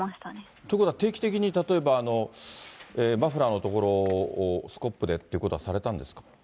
ということは定期的に例えば、マフラーのところをスコップでっていうことはされたんですか。